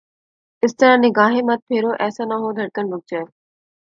اس طرح نگاہیں مت پھیرو، ایسا نہ ہو دھڑکن رک جائے